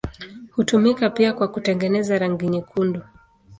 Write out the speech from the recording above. Hutumika pia kwa kutengeneza rangi nyekundu.